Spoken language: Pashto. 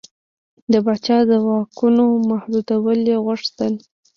د پاچا د واکونو محدودول یې غوښتل.